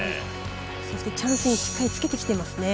そしてチャンスにしっかりつけてきてますね。